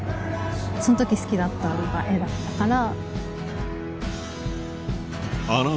その時好きだったのが絵だったから。